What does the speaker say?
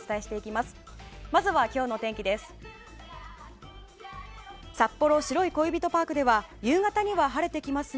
まずは今日のお天気です。